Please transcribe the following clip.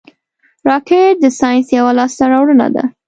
راکټ د ساینس یوه لاسته راوړنه ده